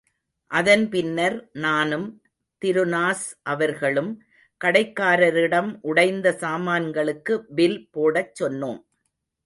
அதன் பின்னர் நானும் திருநாஸ் அவர்களும் கடைக்காரரிடம் உடைந்த சாமான்களுக்கு பில் போடச் சொன்னோம்.